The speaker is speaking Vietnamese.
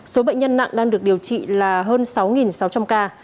số bệnh nhân nặng đang được điều trị là hơn sáu sáu trăm linh ca